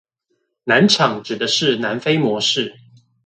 南廠指的是南非模式